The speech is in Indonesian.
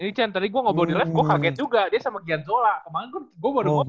ini cian tadi gue ngobrol di live gue kaget juga dia sama gian zola kemaren gue baru ngobrol sama gian zola